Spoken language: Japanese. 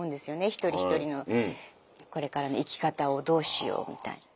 一人一人のこれからの生き方をどうしようみたいな。